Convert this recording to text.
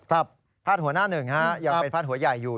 พาดหัวหน้าหนึ่งฮะยังเป็นพาดหัวใหญ่อยู่